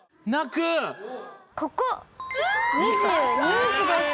ここ、２２日です！